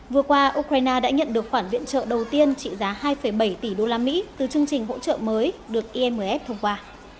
vừa qua ukraine đã nhận được khoản viện trợ đầu tiên trị giá hai bảy tỷ usd từ chương trình hỗ trợ mới được imf thông qua